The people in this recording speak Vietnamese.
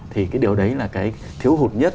thì cái điều đấy là cái thiếu hụt nhất